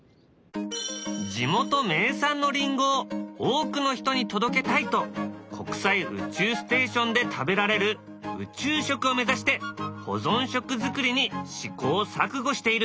地元名産のりんごを多くの人に届けたいと国際宇宙ステーションで食べられる宇宙食を目指して保存食作りに試行錯誤している。